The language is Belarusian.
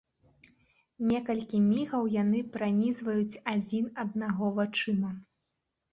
Некалькі мігаў яны пранізваюць адзін аднаго вачыма.